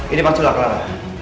ini pasti ulah clara